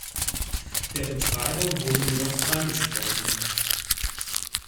Der Betreiber wurde jedoch freigesprochen.